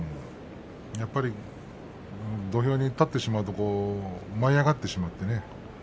やっぱり土俵に立ってしまうと舞い上がってしまってね。